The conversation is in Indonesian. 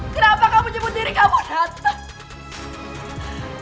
kenapa kamu nyebut diri kamu datang